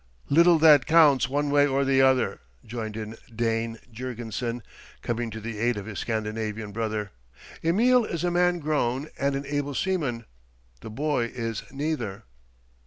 "Little that counts, one way or the other," joined in Dane Jurgensen, coming to the aid of his Scandinavian brother. "Emil is a man grown and an able seaman; the boy is neither."